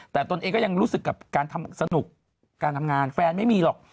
แต่ตนเองก็ยังรู้สึกกับการทำสนุกการทำงานแฟนไม่มีหรอก